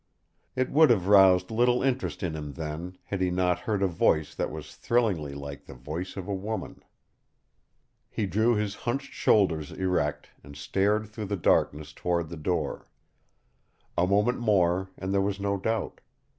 It would have roused little interest in him then had he not heard a voice that was thrillingly like the voice of a woman. He drew his hunched shoulders erect and stared through the darkness toward the door. A moment more and there was no doubt.